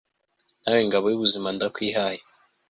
nawe, ngabo y'ubuzima, ndakwihaye